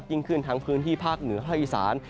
ยิ่งขึ้นทั้งพื้นที่ภาคเหนือภาคอีสาน